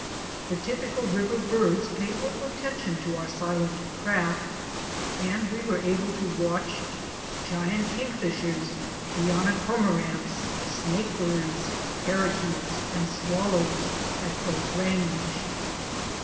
The typical river birds paid little attention to our silent craft; and we were able to watch Giant Kingfishers," Guiana Cormorants," Snake birds,* Parrakeets and Swallows at close range.